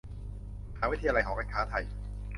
มหาวิทยาลัยหอการค้าไทย